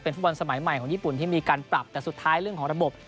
ฟุตบอลสมัยใหม่ของญี่ปุ่นที่มีการปรับแต่สุดท้ายเรื่องของระบบ